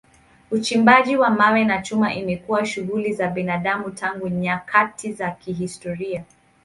Uchimbaji wa mawe na chuma imekuwa shughuli za binadamu tangu nyakati za kihistoria.